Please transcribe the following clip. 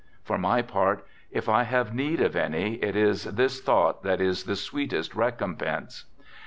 For my part, if I have need of any, it is this thought that is the sweetest recompense.